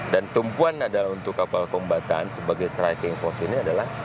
dan tumpuan ada untuk kapal kombatan sebagai striking force ini adalah